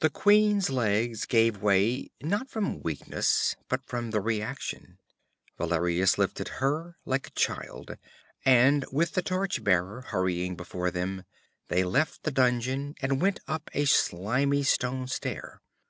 The queen's legs gave way, not from weakness but from the reaction. Valerius lifted her like a child, and with the torch bearer hurrying before them, they left the dungeon and went up a slimy stone stair.